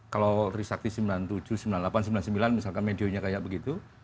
kalau trisakti sembilan puluh tujuh sembilan puluh delapan sembilan puluh sembilan misalkan medionya kayak begitu